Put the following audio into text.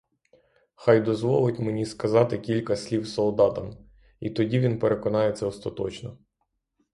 Хай дозволить мені сказати кілька слів солдатам, і тоді він переконається остаточно.